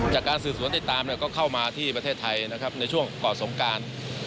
จากการสืบสวนติดตามก็เข้ามาที่ประเทศไทยนะครับในช่วงก่อนสงการ